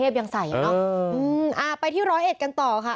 ไปที่ร้อยเอดกันต่อค่ะ